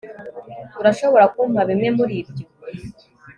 urashobora kumpa bimwe muribyo